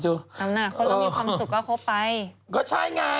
ทำหน้าคนเรามีความสุขก็เข้าไป